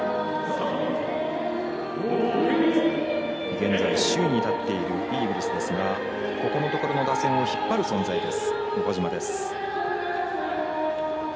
現在、首位に立っているイーグルスですがここのところの打線を引っ張る存在の岡島です。